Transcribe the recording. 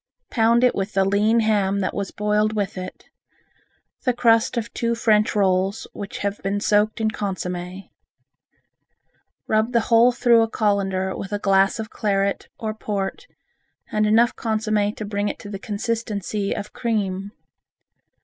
Pound it with the lean ham that was boiled with it, the crust of two French rolls which has been soaked in consomme. Rub the whole through a colander with a glass of claret or port and enough consomme to bring it to the consistency of cream.